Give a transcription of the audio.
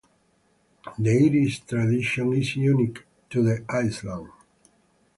The Irish tradition is unique to the island.